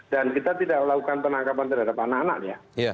dan kita tidak melakukan penangkapan terhadap anak anaknya